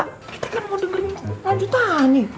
kita kan mau dengerin lanjutannya